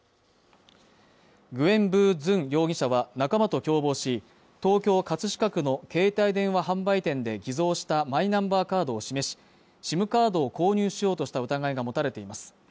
グエン・ヴー・ズン容疑者は仲間と共謀し、東京・葛飾区の携帯電話販売店で偽造したマイナンバーカードを示し、ＳＩＭカードを購入しようとした疑いが持たれています。